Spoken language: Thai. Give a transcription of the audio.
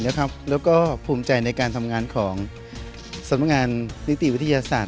และก็ภูมิใจในการทำงานสัมผัสนิตวิทยาศาสตร์